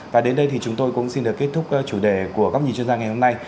và đến đây thì chúng tôi cũng xin được kết thúc chủ đề của góc nhìn chuyên gia ngày hôm nay